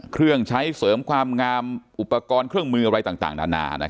เครื่องใช้เสริมความงามอุปกรณ์เครื่องมืออะไรต่างนานา